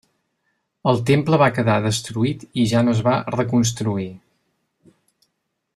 El temple va quedar destruït i ja no es va reconstruir.